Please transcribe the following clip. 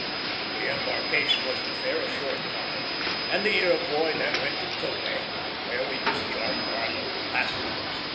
The embarkation was an affair of a short time, and the Iroquois then went to Kobé, where we discharged our load of passengers.